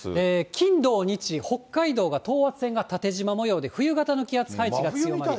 金土日、北海道が等圧線が縦じま模様で冬型の気圧配置が強まる。